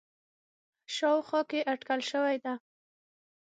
ه شاوخوا کې اټکل شوی دی